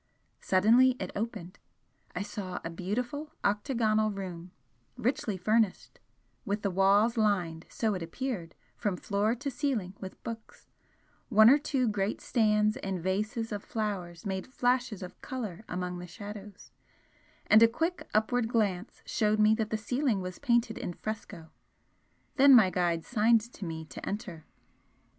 Suddenly it opened, I saw a beautiful octagonal room, richly furnished, with the walls lined, so it appeared, from floor to ceiling with books, one or two great stands and vases of flowers made flashes of colour among the shadows, and a quick upward glance showed me that the ceiling was painted in fresco, then my guide signed to me to enter.